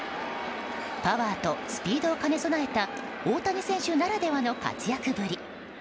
パワーとスピードを兼ね備えた大谷選手ならではの活躍ぶり。